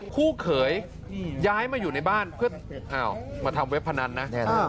พ่อเขาย้ายมาอยู่ในบ้านเฮาะมาทำเว็บพรรณนะ